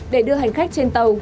để đưa hành khách trên tàu